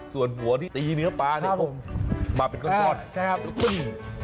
ส่วนหัวที่ตีเนื้อปลาเนี่ยมาเป็นก้อนครับ